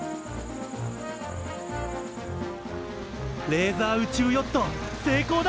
レーザー宇宙ヨット成功だ！